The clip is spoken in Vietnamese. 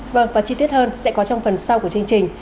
vâng và chi tiết hơn sẽ có trong phần sau của chương trình